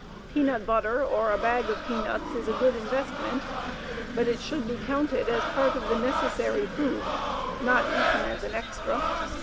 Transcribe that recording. Peanut butter or a bag of peanuts is a good investment, but it should be counted as part of the necessary food, not eaten as an extra.